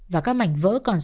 và các mảnh vỡ còn lại cũng đạt